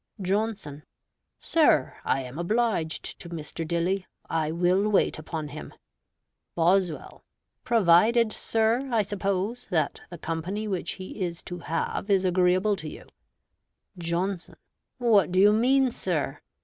Johnson Sir, I am obliged to Mr. Dilly. I will wait upon him Boswell Provided, sir, I suppose, that the company which he is to have is agreeable to you. Johnson What do you mean, sir?